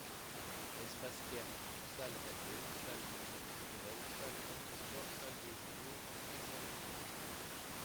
Espace Kerne : salle d’accueil, salle socioculturelle, salle omnisports, salle de judo, ancien court de tennis.